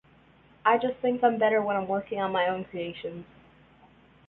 I just think I'm better when I'm working on my own creations.